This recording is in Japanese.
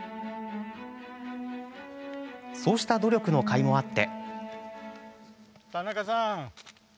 そうした努力のかいもあって。